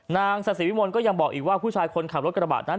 นางศาสิวิมลก็ยังบอกอีกว่าผู้ชายคนขับรถกระบะนั้น